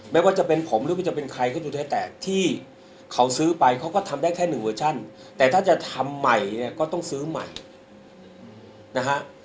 ไม่ว่าจะเป็นผมหรือว่าจะเป็นใครก็ดูแท้แต่ที่เขาซื้อไปเขาก็ทำได้แค่หนึ่งเวอร์ชั่นแต่ถ้าจะทำใหม่เนี่ยก็ต้องซื้อใหม่นะฮะ